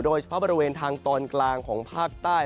โดยเฉพาะบริเวณทางตอนกลางของภาคใต้